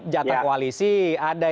jatah koalisi ada